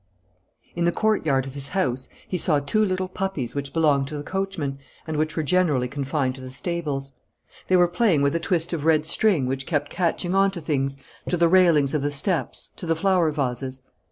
In the courtyard of his house he saw two little puppies which belonged to the coachman and which were generally confined to the stables. They were playing with a twist of red string which kept catching on to things, to the railings of the steps, to the flower vases.